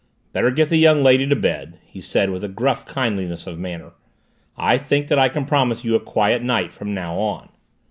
"Better get the young lady to bed," he said with a gruff kindliness of manner. "I think that I can promise you a quiet night from now on."